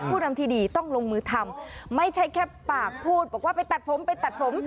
นำที่ดีต้องลงมือทำไม่ใช่แค่ปากพูดบอกว่าไปตัดผมไปตัดผม